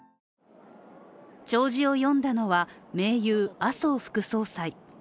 弔辞を読んだのは盟友麻生副総裁。